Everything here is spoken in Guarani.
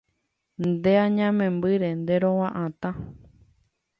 ¡Ne añamembyre, nderova'atã!